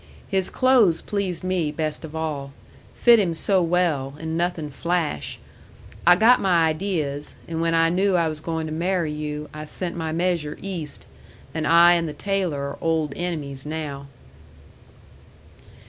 His clothes pleased me best of all. Fit him so well, and nothing flash. I got my ideas, and when I knew I was going to marry you, I sent my measure East and I and the tailor are old enemies now."